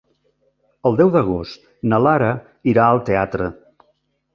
El deu d'agost na Lara irà al teatre.